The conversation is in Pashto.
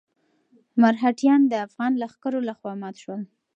مرهټیان د افغان لښکرو لخوا مات شول.